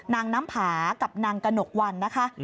นางน้ำผากับนางกระหนกวันนะคะ